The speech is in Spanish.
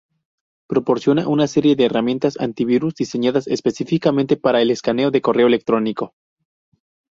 Proporciona una serie de herramientas antivirus diseñadas específicamente para el escaneo de correo electrónico.